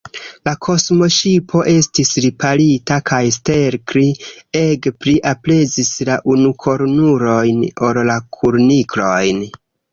La kosmoŝipo estis riparita, kaj Stelkri ege pli aprezis la unukornulojn ol la kuniklojn.